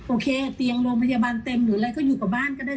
โอเคเตียงโรงพยาบาลเต็มหรืออะไรก็อยู่กับบ้านก็ได้